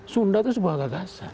sunda itu sebuah gagasan